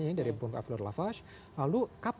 sampai anda mulai lawan